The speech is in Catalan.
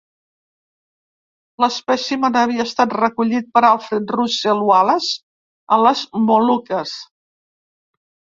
L'espècimen havia estat recollit per Alfred Russel Wallace a les Moluques.